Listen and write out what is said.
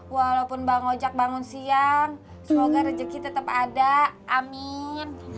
walaupun bang ojak bangun siang semoga rezeki tetap ada amin